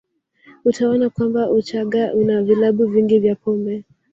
Utaona kwamba Uchaga una vilabu vingi vya pombe